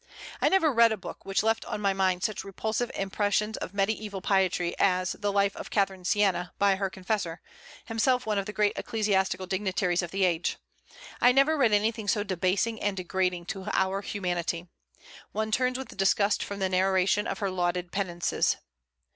I never read a book which left on my mind such repulsive impressions of mediaeval piety as the Life of Catherine of Sienna, by her confessor, himself one of the great ecclesiastical dignitaries of the age. I never read anything so debasing and degrading to our humanity. One turns with disgust from the narration of her lauded penances.